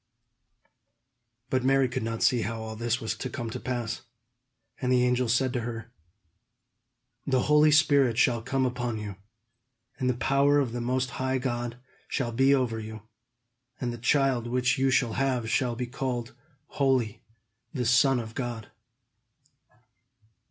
But Mary could not see how all this was to come to pass. And the angel said to her: "The Holy Spirit shall come upon you, and the power of the Most High God shall be over you; and the child which you shall have shall be called holy, the Son of God."